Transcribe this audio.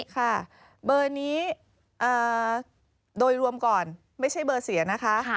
ค่ะเบอร์นี้โดยรวมก่อนไม่ใช่เบอร์เสียนะคะ